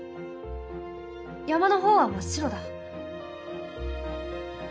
山の方は真っ白だ。